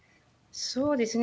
そうですね。